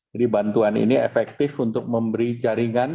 jadi bantuan ini efektif untuk memberi jaringan